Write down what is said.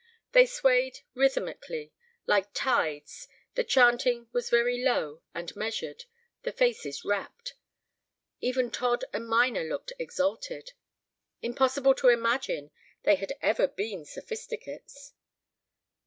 They swayed rhythmically, like tides, the chanting was very low and measured, the faces rapt. Even Todd and Minor looked exalted. Impossible to imagine they had ever been Sophisticates.